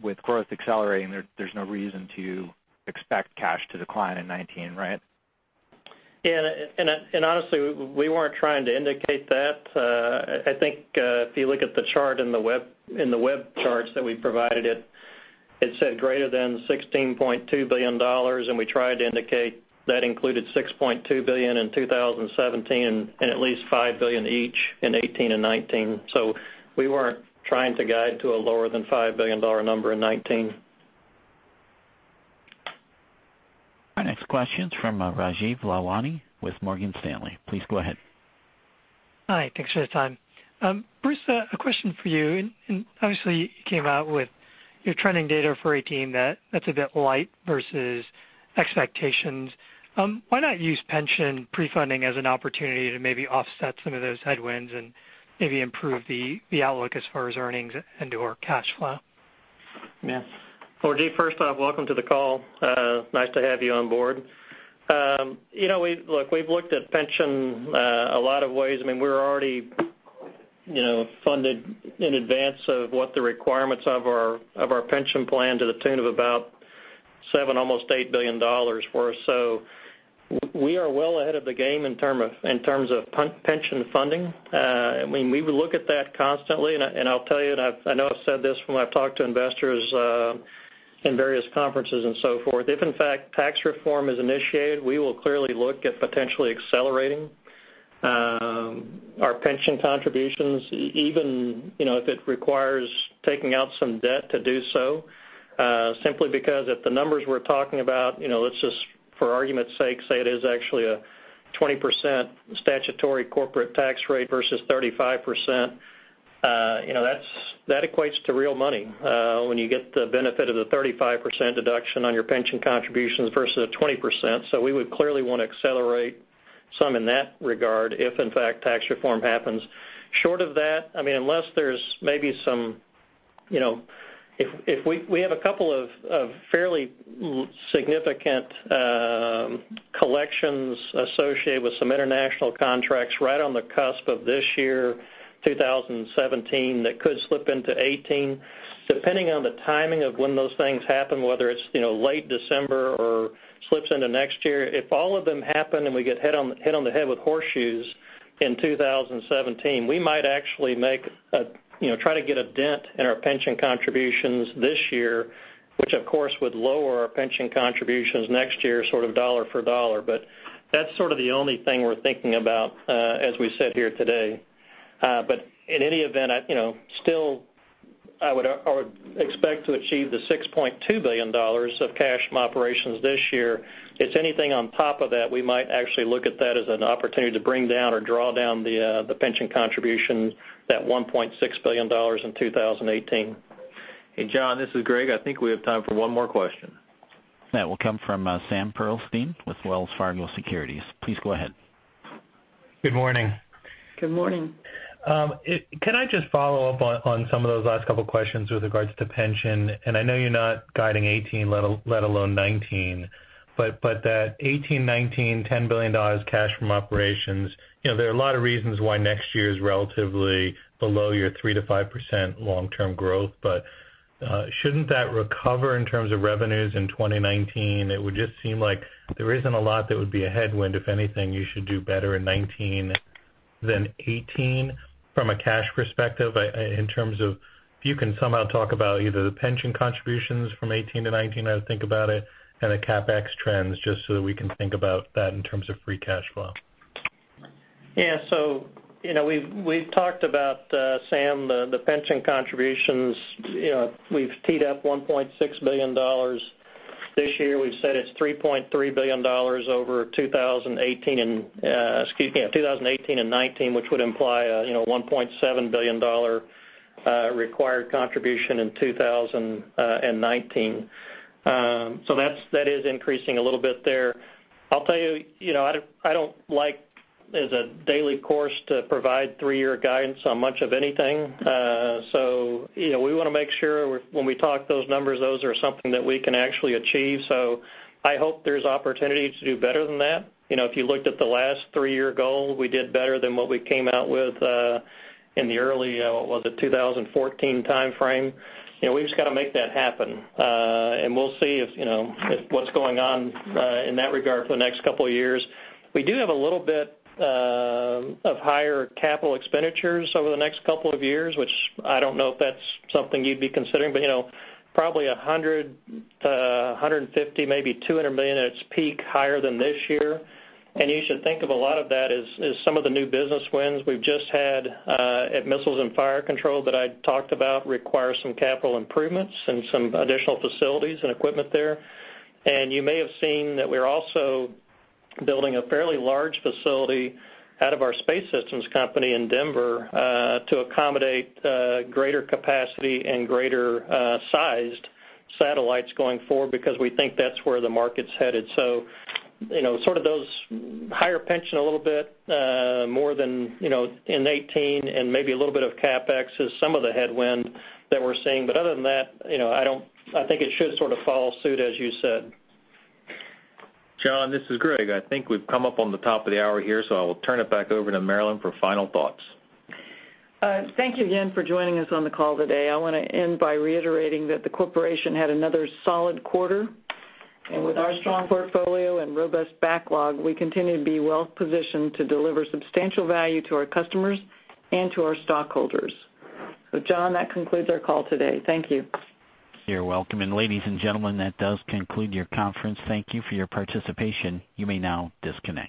With growth accelerating, there's no reason to expect cash to decline in 2019, right? Yeah. Honestly, we weren't trying to indicate that. I think, if you look at the chart in the web charts that we provided it said greater than $16.2 billion. We tried to indicate that included $6.2 billion in 2017 and at least $5 billion each in 2018 and 2019. We weren't trying to guide to a lower than $5 billion number in 2019. Our next question's from Rajeev Lalwani with Morgan Stanley. Please go ahead. Hi, thanks for the time. Bruce, a question for you. Obviously, you came out with your trending data for 2018 that's a bit light versus expectations. Why not use pension pre-funding as an opportunity to maybe offset some of those headwinds and maybe improve the outlook as far as earnings and/or cash flow? Yeah. Rajeev, first off, welcome to the call. Nice to have you on board. Look, we've looked at pension a lot of ways. We're already funded in advance of what the requirements of our pension plan to the tune of about $7, almost $8 billion worth. We are well ahead of the game in terms of pension funding. We look at that constantly, I'll tell you, I know I've said this when I've talked to investors in various conferences and so forth, if in fact, tax reform is initiated, we will clearly look at potentially accelerating our pension contributions, even if it requires taking out some debt to do so. Simply because if the numbers we're talking about, let's just, for argument's sake, say it is actually a 20% statutory corporate tax rate versus 35%. That equates to real money, when you get the benefit of the 35% deduction on your pension contributions versus a 20%. We would clearly want to accelerate some in that regard if in fact tax reform happens. Short of that, unless there's maybe some. We have a couple of fairly significant collections associated with some international contracts right on the cusp of this year, 2017, that could slip into 2018. Depending on the timing of when those things happen, whether it's late December or slips into next year. If all of them happen, and we get hit on the head with horseshoes in 2017, we might actually try to get a dent in our pension contributions this year, which of course, would lower our pension contributions next year, sort of dollar for dollar. That's sort of the only thing we're thinking about, as we sit here today. In any event, still, I would expect to achieve the $6.2 billion of cash from operations this year. If anything on top of that, we might actually look at that as an opportunity to bring down or draw down the pension contribution, that $1.6 billion in 2018. Hey, John, this is Greg. I think we have time for one more question. That will come from Samuel Pearlstein with Wells Fargo Securities. Please go ahead. Good morning. Good morning. Can I just follow up on some of those last couple of questions with regards to pension? I know you're not guiding 2018, let alone 2019, but that 2018, 2019, $10 billion cash from operations. There are a lot of reasons why next year is relatively below your 3%-5% long-term growth. Shouldn't that recover in terms of revenues in 2019? It would just seem like there isn't a lot that would be a headwind. If anything, you should do better in 2019 than 2018 from a cash perspective, in terms of if you can somehow talk about either the pension contributions from 2018 to 2019, how to think about it, and the CapEx trends, just so that we can think about that in terms of free cash flow. Yeah. We've talked about, Sam, the pension contributions. We've teed up $1.6 billion this year. We've said it's $3.3 billion over 2018 and 2019, which would imply a $1.7 billion required contribution in 2019. That is increasing a little bit there. I'll tell you, I don't like, as a daily course, to provide three-year guidance on much of anything. We want to make sure when we talk those numbers, those are something that we can actually achieve. I hope there's opportunity to do better than that. If you looked at the last three-year goal, we did better than what we came out with in the early, what was it? 2014 timeframe. We've just got to make that happen. We'll see what's going on in that regard for the next couple of years. We do have a little bit of higher capital expenditures over the next couple of years, which I don't know if that's something you'd be considering, but probably $100 million to $150 million, maybe $200 million at its peak higher than this year. You should think of a lot of that as some of the new business wins we've just had at Missiles and Fire Control that I talked about require some capital improvements and some additional facilities and equipment there. You may have seen that we're also building a fairly large facility out of our Space systems company in Denver, to accommodate greater capacity and greater sized satellites going forward, because we think that's where the market's headed. Those higher pension a little bit, more than in 2018 and maybe a little bit of CapEx is some of the headwind that we're seeing. Other than that, I think it should sort of follow suit, as you said. John, this is Greg. I think we've come up on the top of the hour here. I will turn it back over to Marillyn for final thoughts. Thank you again for joining us on the call today. I want to end by reiterating that the corporation had another solid quarter. With our strong portfolio and robust backlog, we continue to be well positioned to deliver substantial value to our customers and to our stockholders. John, that concludes our call today. Thank you. You're welcome. Ladies and gentlemen, that does conclude your conference. Thank you for your participation. You may now disconnect.